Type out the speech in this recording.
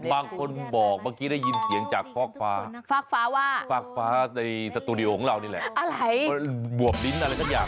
บางคนบอกเมื่อกี้ได้ยินเสียงจากฟอกฟ้าฟากฟ้าว่าฟากฟ้าในสตูดิโอของเรานี่แหละอะไรบวบลิ้นอะไรสักอย่าง